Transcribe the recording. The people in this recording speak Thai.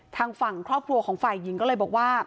ทางฝั่งครอบครัวของฝ่ายหญิงก็เลยบอกว่า